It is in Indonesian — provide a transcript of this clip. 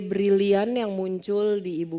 brillian yang muncul di ibu